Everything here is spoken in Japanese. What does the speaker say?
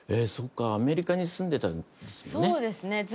そうかアメリカに住んでたんですよね？